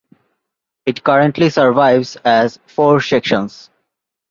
It currently survives as four sections.